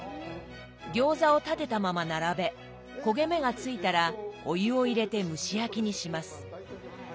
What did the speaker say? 餃子を立てたまま並べ焦げ目がついたらお湯を入れて蒸し焼きにします。